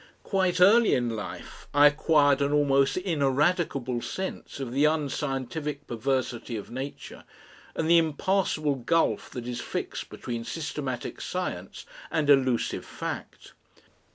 Quite early in life I acquired an almost ineradicable sense of the unscientific perversity of Nature and the impassable gulf that is fixed between systematic science and elusive fact.